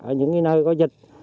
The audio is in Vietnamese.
ở những nơi có dịch